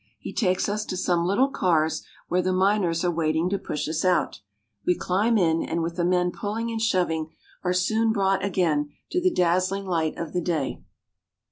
He takes us to some little cars where the miners are waiting to push us out We climb in, and with the men pulling and shoving are soon brought again out to the dazzling light of day.